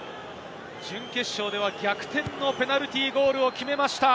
準決勝では逆転のペナルティーゴールを決めました。